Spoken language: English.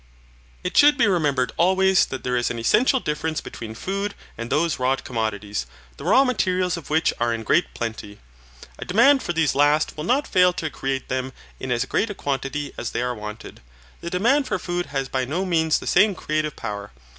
It should be remembered always that there is an essential difference between food and those wrought commodities, the raw materials of which are in great plenty. A demand for these last will not fail to create them in as great a quantity as they are wanted. The demand for food has by no means the same creative power.